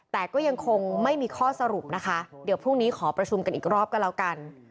แต่ก็ยังคงไม่มีข้อสรุปนะคะเดี๋ยวพรุ่งนี้ขอประชุมกันอีกรอบก็แล้วกัน